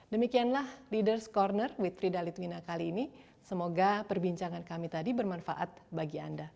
demikianlah leaders ⁇ corner with frida litwina kali ini semoga perbincangan kami tadi bermanfaat bagi anda